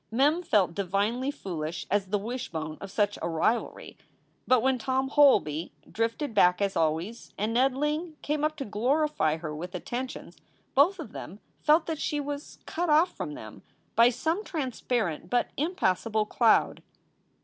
Mem felt divinely foolish as the wishbone of such a rivalry. But when Tom Holby drifted back, as always, and Ned Ling came up to glorify her with attentions, both of them felt that she was cut off from them by some transparent but impassable cloud.